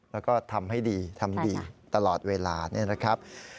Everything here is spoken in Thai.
แล้วก็ทำให้ดีทำดีตลอดเวลาเนี่ยนะครับ